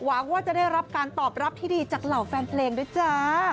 หวังว่าจะได้รับการตอบรับที่ดีจากเหล่าแฟนเพลงด้วยจ้า